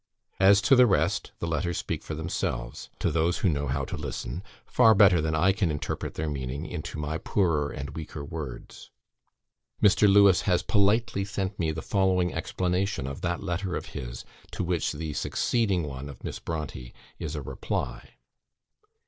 As to the rest, the letters speak for themselves, to those who know how to listen, far better than I can interpret their meaning into my poorer and weaker words. Mr. Lewes has politely sent me the following explanation of that letter of his, to which the succeeding one of Miss Brontë is a reply.